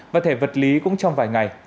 và thẻ vật lý cũng trong vài ngày